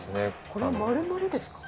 これ丸々ですか？